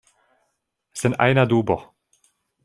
Sen ajna dubo.